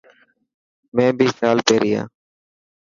مين بي شال پيري هان.